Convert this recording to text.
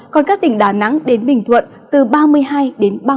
còn các tỉnh đà nẵng đến bình thuận từ ba mươi hai ba mươi năm độ